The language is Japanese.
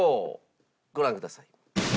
ご覧ください。